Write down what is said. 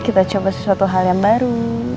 kita coba sesuatu hal yang baru